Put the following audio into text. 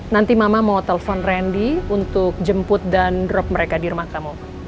nanti mama mau telepon randy untuk jemput dan drop mereka di rumah kamu